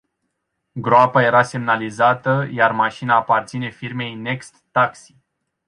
Groapa era semnalizată, iar mașina aparține firmei Next Taxi.